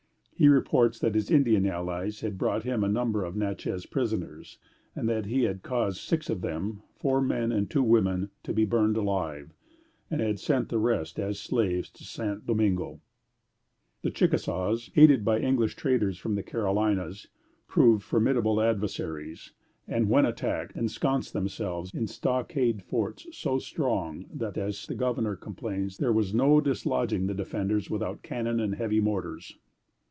He reports that his Indian allies had brought him a number of Natchez prisoners, and that he had caused six of them, four men and two women, to be burned alive, and had sent the rest as slaves to St. Domingo. The Chickasaws, aided by English traders from the Carolinas, proved formidable adversaries, and when attacked, ensconced themselves in stockade forts so strong that, as the governor complains, there was no dislodging the defenders without cannon and heavy mortars.